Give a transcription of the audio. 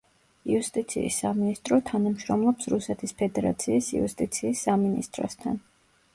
იუსტიციის სამინისტრო თანამშრომლობს რუსეთის ფედერაციის იუსტიციის სამინისტროსთან.